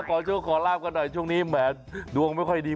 ขอโชคขอลาบกันหน่อยช่วงนี้แหมดวงไม่ค่อยดี